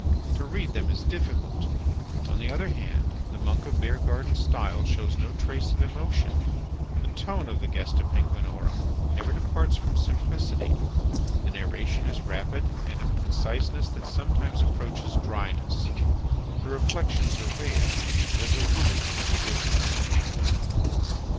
To read them is difficult. On the other hand, the monk of Beargarden's style shows no trace of emotion. The tone of the "Gesta Penguinorum" never departs from simplicity. The narration is rapid and of a conciseness that sometimes approaches dryness. The reflections are rare and, as a rule, judicious.